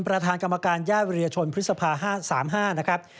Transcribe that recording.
ประธานกรรมการย่าวิรัชนภิกษภา๕๓๕นะครับ